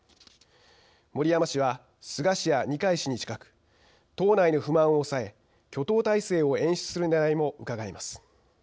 森山氏は、菅氏や二階氏に近く党内の不満を抑え挙党態勢を演出するねらいもうかがえます。